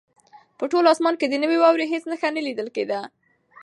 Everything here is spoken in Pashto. په ټول اسمان کې د نوې واورې هېڅ نښه نه لیدل کېده.